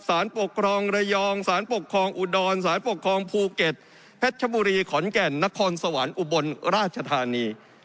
สารปกครองระยองสารปกครองอุดรสารปกครองภูเก็ตเพชรชบุรีขอนแก่นนครสวรรค์อุบลราชธานี